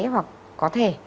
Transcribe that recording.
hoặc có thể